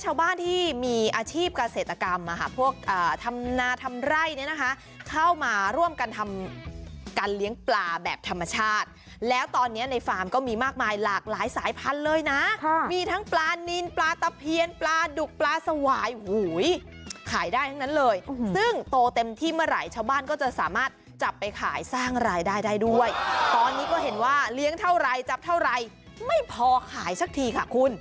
เข้ามาร่วมกันทำการเลี้ยงปลาแบบธรรมชาติแล้วตอนนี้ในฟาร์มก็มีมากมายหลากหลายสายพันธุ์เลยนะมีทั้งปลานินปลาตะเพียนปลาดุกปลาสวายหูยขายได้ทั้งนั้นเลยซึ่งโตเต็มที่เมื่อไหร่ชาวบ้านก็จะสามารถจับไปขายสร้างรายได้ได้ด้วยตอนนี้ก็เห็นว่าเลี้ยงเท่าไหร่จับเท่าไหร่ไม่พอขายสักทีค่ะคุ